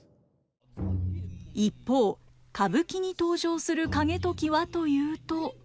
一方歌舞伎に登場する景時はというと。